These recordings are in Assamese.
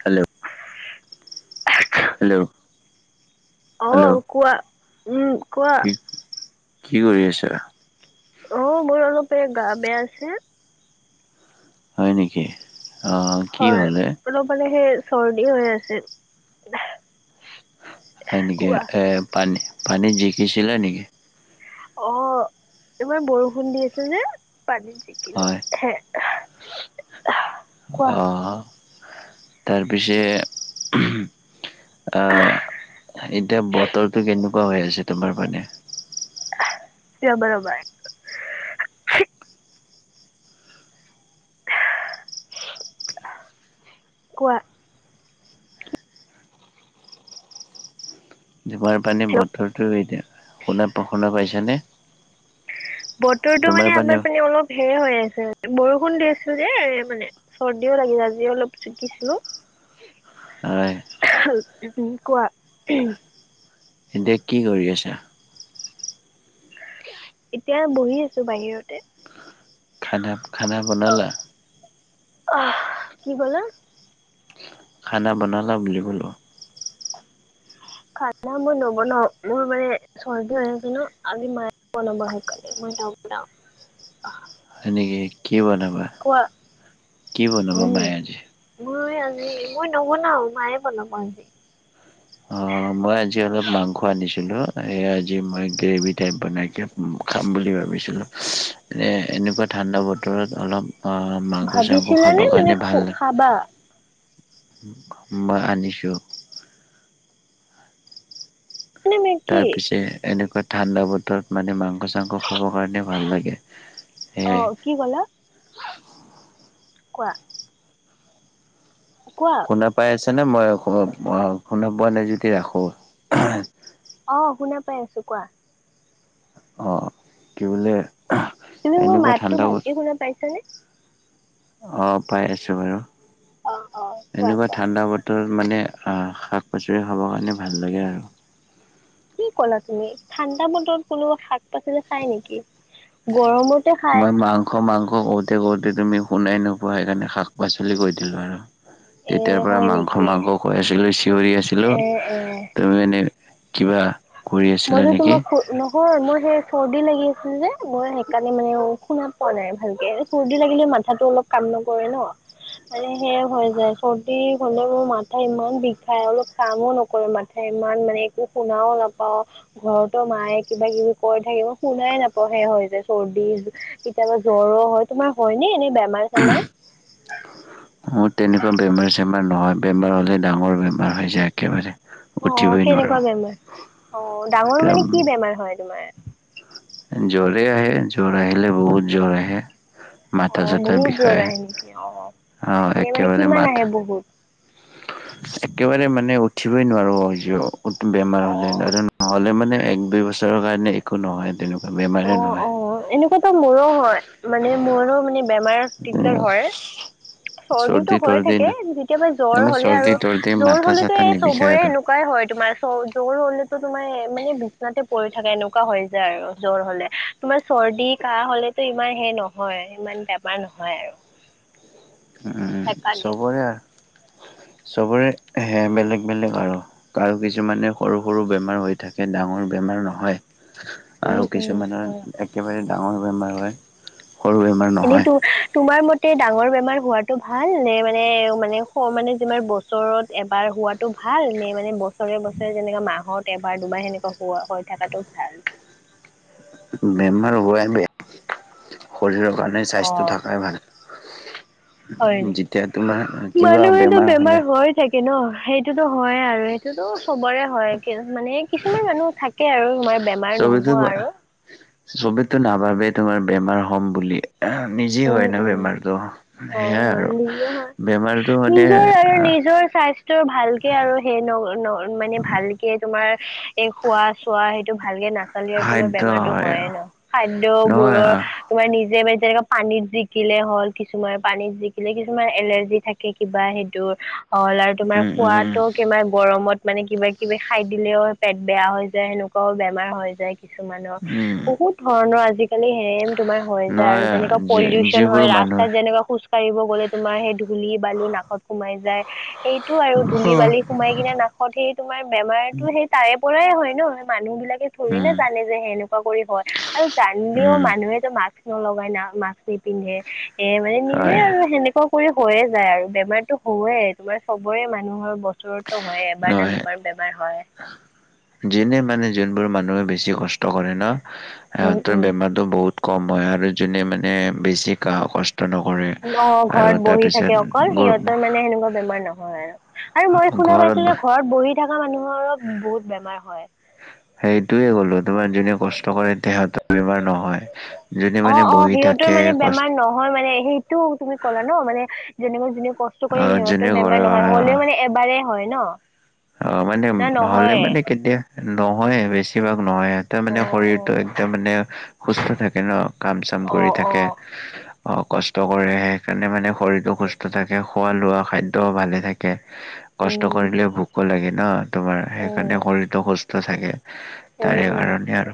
Hello hello. হেল্ল' অ', কোৱা, উম কোৱা। কি কি কৰি আছা? অ', মোৰ অলপ এ গা বেয়া যে। হয়, নেকি অ' কি হয়, হ'লে? অলপ মানে সেই চৰ্দি হৈ আছে! হয়, নেকি কোৱা এ পানী পানীত জিকিছিলা নেকি? অ', ইমান বৰষুণ দি আছে যে পানীত জিকি হয়। [inaudible] অ', তাৰপিছে অ', এতিয়া বতৰটো কেনেকুৱা হৈ আছে তোমাৰ পিনে? ৰ'বা ৰ'বা। কোৱা। [unintelligible] হেল্ল' বতৰতো এতিয়া শুনা শুনা পাইছেন? বতৰটো মানে আমাৰ পিনে মানে অলপ সেয়ে হৈ আছে বৰষুণ দি আছে যে মানে চৰ্দিও লাগিলে আজি অলপ জিকিছিলো। হয় উম, কোৱা। এতিয়া কি কৰি আছা? এতিয়া বহি আছো বাহিৰতে। খানা-খানা বনালা? অহ কি ক'লে? খানা বনালা বুলি ক'লোঁ। খানা মই নবনাওঁ, মোৰ মানে চৰ্দি হৈ আছে ন আজি মায়ে বনাব সেইকাৰণে মই নবনাওঁ। হয়, নেকি কি বনাবা? কোৱা কি বনাবা উম। মায়ে আজি মই আজি মই নবনাওঁ মায়ে বনাব আজি। অ', মই আজি অলপ মাংস আনিছিলোঁ। সেয়া আজি মই গ্ৰেভি টাইপ বনাই খাম। উম, খাম বুলি ভাবিছিলোঁ। এ এনেকুৱা ঠাণ্ডা বতৰত অলপ অ' মাংস চাংস ভাবিছিলানে খাবৰ মানে কাৰণে ভাল লাগ। খাবা উম মই আনিছোঁ। মানে মে কি তাৰ পিছে এনেকুৱা ঠাণ্ডা বতৰ মানে মাংস চাংস খাবৰ কাৰণে ভাল লাগে অ সেয়াই। কি ক'লা? কোৱা। কোৱা। শুনা পাই আছেনে মই শু অ' শুনা পোৱা নাই যদি ৰাখো। অ', শুনা পাই আছোঁ কোৱা। অ', কি বোলে! তুমি মোৰ এনেকুৱা মাততো ঠাণ্ডা বতৰ ভালকে শুনা পাইছানে? অ', পাই আছোঁ বাৰু, অ অ কোৱা এনেকুৱা কোৱা ঠাণ্ডা বত তোৰ মানে আ শাক পাচলি খাবৰ কাৰণে ভাল লাগে আৰু। কি ক'লা তুমি ঠাণ্ডা বতৰত কোনোবা শাক পাচলি খাই নেকি! গৰমত হে খায়। মাংস-মাংস কওঁঁতে-কওঁঁতে তুমি শুনাই নোপোৱা, সেইকাৰণে শাক-পাচলি কৈ দিলো আৰু। এ তেতিয়া পৰা হয় নেকি? মাংস-মাংস কৈ আছিলো, চিঞৰি আছিলো, এ এ তুমি মানে কিবা কৰি আছিলা মইটো নেকি? তোমাক কৈ নহয়, মই সেই চৰ্দি লাগি আছিল যে, মই সেইকাৰণে মানে শুনা পোৱা নাই ভালকে। চৰ্দি লাগিলে মাথাটো অলপ কাম নকৰে ন! মানে হেয়া হৈ যায়, চৰ্দি হ'লে মোৰ মাথা ইমান বিষাই, অলপ কামো নক কৰো, মাথাই ইমান মানে, একো শুনাও নাপ পাওঁ, ঘৰতো মায়ে কিবা-কিবি কৈ থাকিব, মই শুনাই নাপাওঁ, হেয়া হৈ যায় চৰ্দি কেতিয়াবা জ্বৰো হয়, তোমাৰ হয়নে এনে বেমাৰ-চেমাৰ? [inaudible] মোৰ তেনেকুৱা বেমাৰ-চেমাৰ নহয়, বেমাৰ হ'লে ডাঙৰ বেমাৰ হৈ যায় একেবাৰে। অ, উঠিবই কেনেকুৱা নোৱাৰো বেমাৰ, অ, ডাঙৰ একদম মানে কি বেমাৰ হয় তোমাৰ? জ্বৰে আহে, জ্বৰে আহিলে বহুত জ্বৰ আহে। অ মাথা-চাথা বহুত জ্বৰ বিষায়, আহে নেকি অ অ, এনে মানে একেবাৰে কিমান আহে মাথা বহুত একেবাৰে মানে উঠিবই নোৱাৰো হয় যাওঁ। বেমাৰ হ'লে, অ', [unintelligible] নহ'লে মানে এক- দুই বছৰৰ কাৰণে একো নহয় তেনেকুৱা বেমাৰ। অ, অ, এনেকুৱাতো মোৰো হয়, মানে মোৰো মানে বেমাৰত দিগদাৰ হয়। চৰ্দিটো চৰ্দি হৈ তৰ্দি থাকে, ন যেতিয়াবা জ্বৰ এনে হ'লে চৰ্দি আৰু, তৰ্দি জ্বৰ মাথা হ'লেতো চাথা এই নিবিষায় চবৰে আৰু এনেকুৱা কুৱাই হয়, তোমাৰ চৰ -জ্বৰ হ'লেতো তোমাৰ মানে বিচনাতে পৰি থাকে, এনেকুৱা হয় যায় আৰু জ্বৰ হ'লে। তোমাৰ চৰ্দি-কাহ হ'লেতো ইমান হে নহয়, ইমান বেমাৰ নহয় আৰু। অ, সেইকাৰণে। চবৰে আৰু চবৰে হে বেলেগ-বেলেগ আৰু। কাৰো কিছুমানে সৰু-সৰু বেমাৰ হৈ থাকে, ডাঙৰ বেমাৰ নহয়। আৰু উম, উম, কিছুমানৰ হয়, একেবাৰে ডাঙৰ বেমাৰ হয়, সৰু বেমাৰ নহয় এনেইটো, তোমাৰ মত ডাঙৰ বেমাৰ হোৱটো ভাল নে‌, মানে- মানে স মানে যিমান বছৰত এবাৰ হোৱাতো ভাল নে, মানে বছৰে-বছৰে যেনেকা মাহত এবাৰ-দুবাৰ সেনেকা হোৱা হৈ থকাটো ভাল! বেমাৰ হোৱাই বেয়া, শৰীৰৰ কাৰণে অ স্বাস্থ্য থকাই ভাল। হয়, যেতিয়া তোমাৰ কিবা মানুহেতো হলে বেমাৰ হৈ থাকে। এনেও সেইটোতো হয়েই আৰু, সেইটোতো চবৰে হয়, মানে কিছুমান মানুহ থাকে আৰু মাই চবেতো, বা চবেতো নাভাবে তোমাৰ বেমাৰ হ'ম বুলিয়ে। নিজে উম হয় ন উম বেমাৰটো, হয় হেয়াই হয় আৰু, নিজে হয় বেমাৰটো মানে নিজৰ আৰু নিজৰ স্বাস্থ্য ভালকে আৰু সেই ন, ন মানে ভাল কেই তোমাৰ এই খোৱা-চোৱা হেইটো ভালকে নাচ খালী আৰু তোমাৰ সাধ্য বেমাৰতো হয় হয়ে ন! নহয় খাদ্যবোৰৰ তোমাৰ নিজে যেনেকা পানীত জিকিলে হ'ল, কিছুমান পানীত জিকিলে কিছুমান এলাৰ্জি থাকে, কিবা সেইটোৰ। হ'ল আৰু তোমাৰ উম সোৱাদ উম তো কিমান গৰমত মানে কিবা-কিবি খাই দিলেও পেট বেয়া হৈ যায়, সেনেকুৱাও বেমাৰ হৈ যায়। কিছুমানৰ, উম বহুত ধৰণৰ আজিকালি হেয়েম তোমাৰ হৈ যায় আৰু নহয় যেনেকা যি পলিউচন যিবোৰ হয়, ৰাস্তাত মানুহে যেনেকুৱা খুজ কাঢ়িব গ'লে তোমাৰ সেই ধূলি-বালি নাকত সোমাই যায়, সেই সেইটো আৰু ধূলি-বালি সোমাই কিনে নাকত সেই তোমাৰ বেমাৰতো সেই তাৰে পৰাই হয় ন, মানুহ বিলাকে থৰি না উম জানে যে সেনেকুৱা কৰি হয়, আৰু জানিলেও উম মানুহেতো মাস্ক নলগাই না! মাস্ক নিপিন্ধে, এ মানে নিজে হয় আৰু সেনেকুৱা কৈ হৈয়ে যায় আৰু বেমাৰতো হয়ে তোমাৰ চবৰে মানুহৰ বছৰতো হয়ে এবাৰ নে দুবাৰ বেমাৰ হয় যেনে মানে যোনবোৰ মানুহে বেছি কষ্ট কৰে ন উম সিহঁতৰ উম বেমাৰ তো বহুত কম হয় আৰু যোনে মানে বেছি গা কচ কষ্ট নকৰে ন আৰু ঘৰত বহি তাৰপিছত থাকে অকল সিহঁতৰ মানে সেনেকুৱা বেমাৰ নহয় আৰু আৰু মই শুনা পাইছো ঘৰত যে ঘৰত বহি থকা মানুহৰ ত বহুত বেমাৰ হয় সেইটোয়ে ক'লো তোমাৰ যোনে কষ্ট কৰে তেহঁতৰ বেমাৰ নহয়। যোনে অ মানে অ বহি সিহঁতৰ থাকে মানে কষ্ট বেমাৰ নহয় মানে হেইটো তুমি ক'লা ন মানে যেনেকুৱা যোনে ক কষ্ট কৰি আহ যোনে সিহঁতৰ ঘৰৰ বেমাৰ নহয় হ'লেও মানে এবাৰেই হয় ন অ মানে না হ'লে নহয়ে মানে কেতিয়া নহয়ে বেছিভাগ নহয়ে তাৰ মানে অ' শৰীৰটো অ' একদম মানে সুস্থ থাকে ন কাম চাম কৰি অ' থাকে অ' অ কষ্ট কৰে সেইকাৰণে মানে শৰীৰটো সুস্থ থাকে খোৱা লোৱা খাদ্যও ভালে থাকে থাকে কষ্ট উম কৰিলে ভোকো লাগে ন তোমাৰ সেইকাৰণে উম শৰীৰটো সুস্থ থাকে। উম তাৰে এই উম কাৰণে আৰু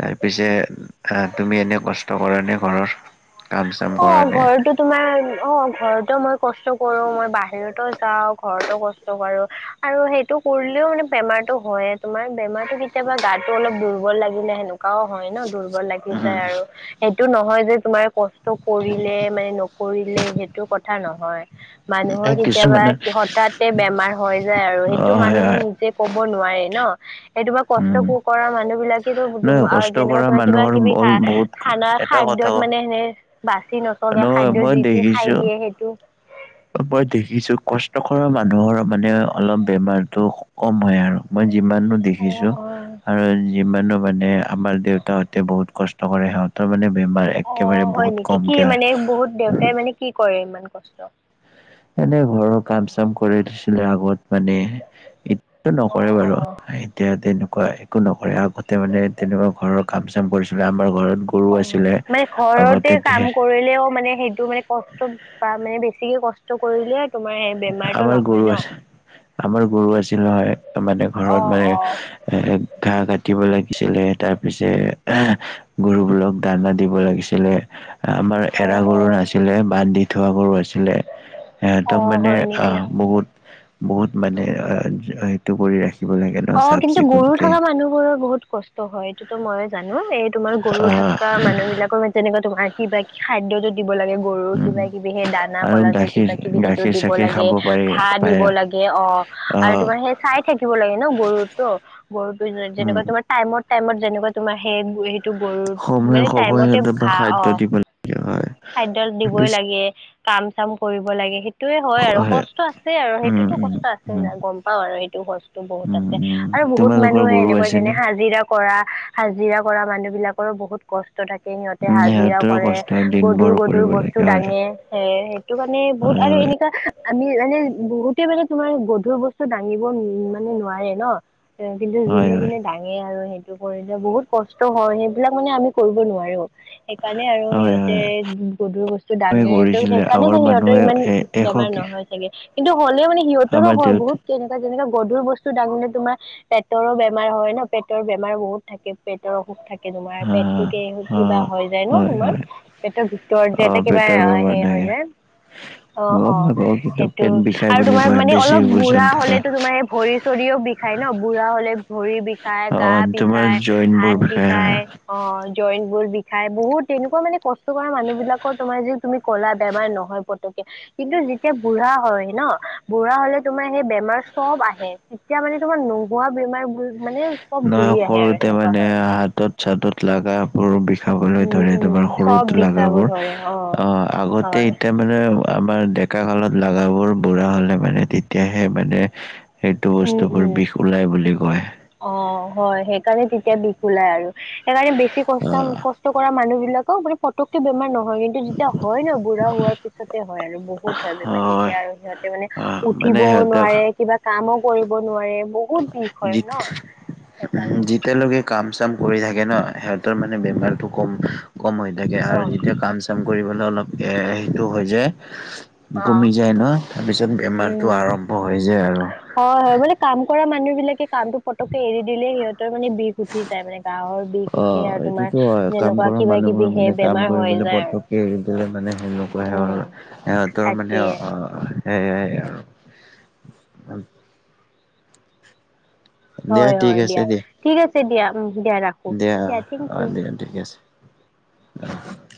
তাই পিছে তুমি এনেই কষ্ট কৰা নে ঘৰৰ? কাম চাম অ কৰা নে? ঘৰতো তোমাৰ অ ঘৰতো মই কষ্ট কৰো মই বাহিৰতো যাওঁ ঘৰতো কষ্ট কৰোঁ। আৰু সেইটো কৰিলেও মানে বেমাৰতো হয়ে তোমাৰ বেমাৰতো কেতিয়াবা গাতো অলপ দুৰ্বল লাগিলে হেনোকাও হয় ন দুৰ্বল দুৰ্বল লাগি যায় আৰু সেইটো নহয় যে তোমাৰ ক কষ্ট কৰিলে মানে নকৰিলে সেইটো কথা নহয় এ মানুহৰ কেতিয়াবা কিছুমানে হঠাঁতে বেমাৰ হৈ যায় আৰু অ হেটো হয় মানুহে হয় নিজে ক'ব নোৱাৰে ন এই‌ তোমাৰ উম কষ্ট কৰা মানুহ বিলাক সেইটো বুজো নহয় আওঁ কষ্ট যেনেকুৱা কৰা তোমাৰ কিবা মানুহৰ কিবি বল খা বহুত খানা এটা কথা খাদ্যয়ত মানে সে বাচি নচলে নহয় খাদ্যত মই যিতি খাই দেখিছো দিয়ে সেইটো মই দেখিছো কষ্ট কৰা মানুহৰ মানে অলপ বেমাৰতটো কম হয় আৰু মই যিমানো অ দেখিছো অ আৰু যিমানো মানে আমাৰ দেউতাহঁতে বহুত কষ্ট কৰে সিহঁতৰ মানে বেমাৰ অ অ একেবাৰে হয় বহুত নেকি কি কমকে হয় মানে বহুত দেউতাই মানে কি কৰে ইমান কষ্ট? এনেই ঘৰৰ কাম চাম কৰি দিছিলে আগত মানে এতিয়াতো অ নকৰে অ বাৰু হে এতিয়া তেনেকুৱা একো নকৰে আগতে মানে তেনেকুৱা ঘৰৰ কাম চাম কৰিছিলে আমাৰ ঘৰত গৰু অ আছিলে মানে ঘৰতে আগতে কাম ধেৰ কৰিলেও মানে সেইটো মানে কষ্ট বা মানে বেছিকে কষ্ট কৰিলে তোমাৰ সেই বেমাৰটো আমাৰ নহয় গৰু ন আছে আমাৰ গৰু আছিল নহয় একদম মানে ঘৰত অ মানে অ এ ঘাঁহ কাটিব লাগিছিলে তাৰ পিছে গৰুবোৰক দানা দিব লাগিছিলে আমাৰ এৰা অ', গৰু অ', নাছিলে বান্ধি থোৱা গৰু আছিলে এ অ', মানে হয় অ নেকি? বহুত বহুত মানে এইটো কৰি ৰাখি অ কিন্তু গৰু থকা মানুহ বোৰৰ বহুত কষ্ট হয় এইটোতো মইে জানো এই তোমাৰ গৰু থাক আহ কা মানুহ বিলাকৰ ম তেনেকুৱা তোমাৰ কিবা খাদ্যটো দিব লাগে গৰুৰ উম কিবা কিবি সেই দানা আৰু কলা যে গাখীৰ কিবা কিবি সেইটোত গাখীৰ দিব চাখীৰ লাগে খাব পাৰি ঘাঁহ পাৰে দিব লাগে অ আৰু আহ তোমাৰ সেই চাই থাকিব লাগে। গৰুতো গৰুতো উম যেনেকুৱা তোমাৰ টাইমত টাইমত যেনেকা তোমাৰ হে গুই টো গৰু, সময়ে মানে সময়ে টাইমতে তাৰপা ঘাঁহ খাদ্য অ' দিব লাগে হয় খাদ্য দিবই পিছ- লাগে, কাম চাম কৰিব লাগে, সেই সেইটোৱে হয় আৰু, কষ্ট আছে আৰু উম সেইটোতো উম কষ্ট আছে উম গম পাওঁ আৰু সেইটো কষ্ট বহুত উম আছে উম আৰু বহুত তোমালোকৰ মানুহে গৰু এনেকুৱা যেনে আছেনে হাজিৰা কৰা, হাজিৰা কৰা মানুহ বিলাকৰো বহুত কষ্ট ষ্ট থাকে, সিহঁতে উম হাজিৰাও সিহঁতৰো কৰে, কষ্ট হয় গধুৰ দিনভৰ গধুৰ কৰিব বস্তু লাগে হয় দাঙে, সেইয়ে সেইটোকাৰণে বহুত হয় আৰু হয় এনেকুৱা আমি মানে বহুতে মানে তোমাৰ গধুৰ বস্তু ডাঙিব মানে নোৱাৰে ন সেয়া, কিন্তু হয় হয় যোনে যোনে দাঙে আৰু সেইটো কৰিলে, বহুত কষ্ট হয়, সেইবিলাক মানে আমি কৰিব নোৱাৰোঁ। সেইকাৰণে আৰু হয় সিহঁতে হয় গধুৰ বস্তু হয় দাঙে, ত' কৰিছিলে সেইকাৰণে আগৰ চাগে সিহঁতৰ মানুহে ইমান এ এশ বেমাৰ কি নহয় চাগে, কিন্তু হ'লেও মানে সিহঁতৰো আমাৰ হয় দেউতা বহুত, সেনেকুৱা-যেনেকুৱা গধুৰ বস্তু টো ডাঙুতেনে তোমাৰ, পেটৰো বেমাৰ হয় ন, পেটৰ বেমাৰ বহুত থাকে, পেটৰ অসুখ থাক কে তোমাৰ, হা পেটটোকে হা কিবা হৈ যায় ন হয় তোমাৰ, হয় পেটৰ ভিতৰত যে অ এটা কিবা পেটৰ বেমাৰ হেৰি হৈ থাকে যায় অ' গম অ', নাপাও কিন্তু সেইটো, পেট বিষাই আৰু বুলি তোমাৰ কয় মানে বেছি অলপ ওজন বুঢ়া থকা হ'লেতো তোমাৰ ভৰি চৰিও বিষাই ন, বুঢ়া হ'লে ভৰিৰ বিষ ষায়, অ গা তোমাৰ বিষায়, জইন বোৰ হাত বিষাই বিষায় হয় অ', জইন বোৰ বিষাই, বহুত তেনেকুৱা মানে কষ্ট কৰা মানুহ বিলাকৰ তোমাৰ যিটো তুমি ক'লা বেমাৰ নহয় বু পতকে, কিন্তু যেতিয়া বুঢ়া হয় ন, বুঢ়া হ'লে তোমাৰ সেই বেমাৰ চব আহে। তেতিয়া মানে তোমাৰ নোহোৱা বেমাৰবোৰ মানে চব নহয়, ঘূৰি আহে আৰু সৰুতে সেনেকুৱা মানে হয় হাতত চাতত লাগাবোৰ বিষাবলৈ উম ধৰে, তোমাৰ উম চব সৰুত বিষাব লাগাবোৰ, ধৰে অ', আগতে হয় এতিয়া মানে আমাৰ ডেকা কালত লাগাবোৰ বুঢ়া হ'লে মানে তেতিয়াহে মানে সেইটো উম উম বস্তুবোৰ বিষ ওলাই বুলি কয়। অ', হয়, সেইকাৰণে তেতিয়া বিষ ওলাই আৰু, সেইকাৰণে বেছি অ কষ্ট-ক কষ্ট কৰা মানুহ বিলাকৰ মানে পতককে বেমাৰ নহয়, কিন্তু যেতিয়া হয় ন বুঢ়া হোৱাৰ পিছতে হয় আৰু বহুত হয় বেমাৰ তেতিয়া আৰু সিহঁতে মানে অ মানে উঠিবও সিহঁতক নোৱাৰে, কিবা কামো কৰিব নোৱাৰে, বহুত বিষ হয় ন সেইকাৰণে যিত-যেতিয়ালৈকে কাম চাম কৰি থাকে ন, সিহঁতৰ মানে বেমাৰটো কম-কম হৈ থাকে অ আৰু যেতিয়া কাম চাম চাম কৰিবলৈ অলপ এ-সেইটো হৈ যায় অ কমি যায় ন, তাৰপিছত বেমাৰটো উম আৰম্ভ হৈ যায় আৰু। হয় হয়, মানে কাম কৰা মানুহ বিলাকে কামটো পতককে এৰি দিলে সিহঁতৰ মানে বিষ উঠি যায় মানে, গাৱৰ বিষ অ উঠি আৰু তোমাৰ এইটোতো হয় কাম যেনেকুৱা কিবা কিবি সেই বেমাৰ হৈ যায় আৰু। সিহঁতৰো মানে সেনেকুৱাই উম হয়, সিহঁতৰ মানে তাকে অ'-সেয়াই আৰু। দিয়া হয় ঠিক হয় আছে দিয়া, ঠিক আছে দিয়া, দিয়া ৰাখোঁ, দিয়া থেংক ইউ। ঠিকে আছে, উম।